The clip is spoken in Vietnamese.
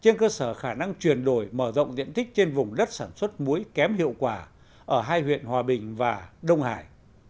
trên cơ sở khả năng chuyển đổi mở rộng diện tích trên vùng đất sản xuất muối kém hiệu quả ở hai huyện hòa bình và đông hải